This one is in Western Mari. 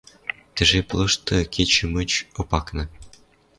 Тӹ жеп лошты кечӹ мыч Опакна